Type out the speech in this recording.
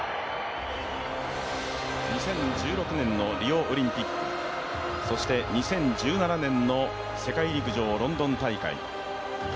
２０１６年のリオオリンピック、そして２０１７年の世界陸上ロンドン大会。